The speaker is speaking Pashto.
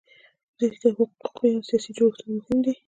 ځکه حقوقي او سیاسي جوړښتونه مهم دي.